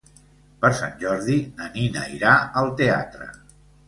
Per Sant Jordi na Nina irà al teatre.